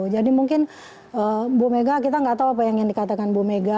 jadi mungkin bu mega kita tidak tahu apa yang dikatakan bu mega